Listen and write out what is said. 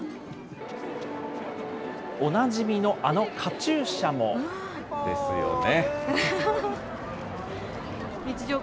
おなじみのあのカチューシャも。ですよね。